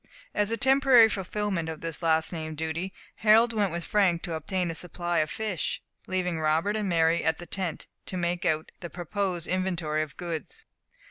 As a temporary fulfilment of this last named duty, Harold went with Frank to obtain a supply of fish, leaving Robert and Mary at the tent, to make out the proposed inventory of goods.